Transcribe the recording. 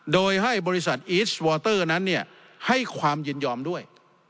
โดยให้บริษัทอีสวอเตอร์นั้นให้ความยินยอมด้วย